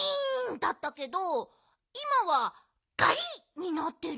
だったけどいまは「ガリ！」になってる。